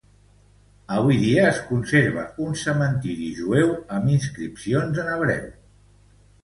Avui dia es conserva un cementiri jueu amb inscripcions en hebreu.